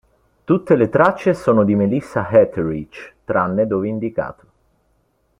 Tutte le tracce sono di Melissa Etheridge tranne dove indicato.